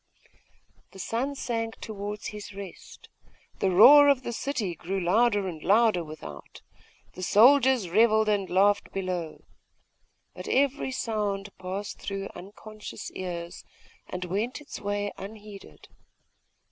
The sun sank towards his rest; the roar of the city grew louder and louder without; the soldiers revelled and laughed below: but every sound passed through unconscious ears, and went its way unheeded.